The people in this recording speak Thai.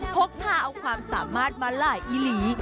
พกพาเอาความสามารถมาหลายอีหลี